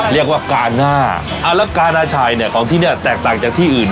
เรียกว่ากาหน้าอ่าแล้วกานาชัยเนี่ยของที่เนี่ยแตกต่างจากที่อื่น